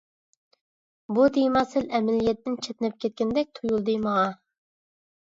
بۇ تېما سەل ئەمەلىيەتتىن چەتنەپ كەتكەندەك تۇيۇلدى ماڭا.